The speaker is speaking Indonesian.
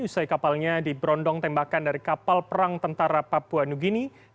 usai kapalnya diberondong tembakan dari kapal perang tentara papua new guinea